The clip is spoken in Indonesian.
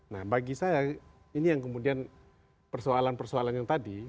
nah bagi saya ini yang kemudian persoalan persoalan yang tadi